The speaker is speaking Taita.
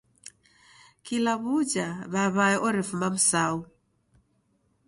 Kila w'uja w'aw'ae orefuma Msau!